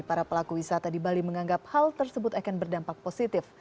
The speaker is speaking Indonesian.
para pelaku wisata di bali menganggap hal tersebut akan berdampak positif